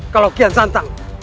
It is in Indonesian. kalau kian santang